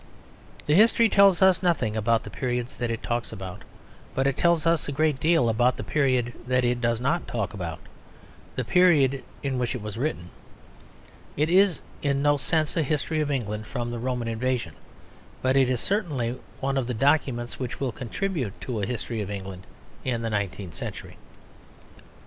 The history tells us nothing about the periods that it talks about; but it tells us a great deal about the period that it does not talk about; the period in which it was written. It is in no sense a history of England from the Roman invasion; but it is certainly one of the documents which will contribute to a history of England in the nineteenth century.